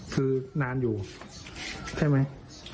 คือนานอยู่ใช่ไหม